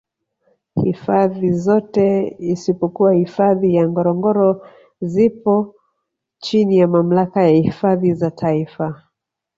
hifadhi zote isipokuwa hifadhi ya ngorongoro zipo chini ya Mamlaka ya hifadhi za taifa